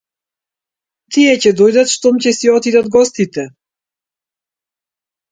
Тие ќе дојдат штом ќе си отидат гостите.